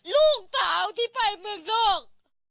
ลูกสาวที่ไปเมืองนอก